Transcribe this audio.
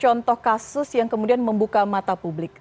contoh kasus yang kemudian membuka mata publik